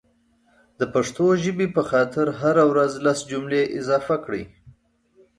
دا پښتو ژبې په خاطر هره ورځ لس جملي اضافه کړئ